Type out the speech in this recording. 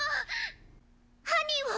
犯人を！